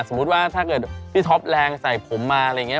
สมมุติว่าถ้าเกิดพี่ท็อปแรงใส่ผมมาอะไรอย่างนี้